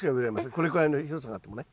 これくらいの広さがあってもね。